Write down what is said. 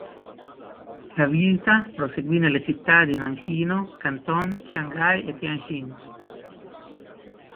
La visita proseguì nelle città di Nanchino, Canton, Shanghai e Tianjin.